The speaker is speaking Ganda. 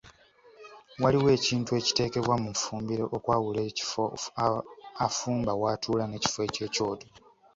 Waliwo ekintu ekiteekebwa mu ffumbiro okwawula ekifo afumba w’atuula n’ekifo eky’ekyoto.